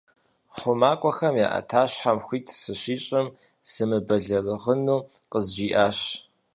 ХъумакӀуэхэм я Ӏэтащхьэм хуит сыщищӀым, сымыбэлэрыгъыну къызжиӀащ.